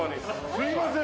すいません